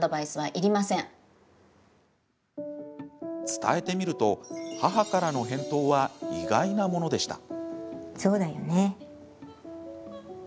伝えてみると母からの返答は意外なものでした。